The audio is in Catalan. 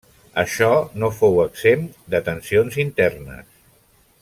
Això no fou exempt de tensions internes.